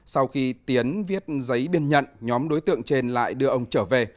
sau khi tiến viết giấy biên nhận nhóm đối tượng trên lại đưa ông trở về